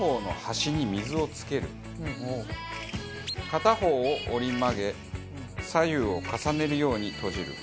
片方を折り曲げ左右を重ねるように閉じる。